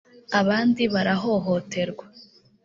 abandi barahohoterwa